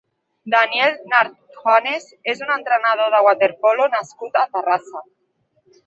Daniel Nart Juanes és un entrenador de waterpolo nascut a Terrassa.